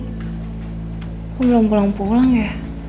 aku belum pulang pulang ya